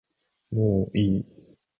もういい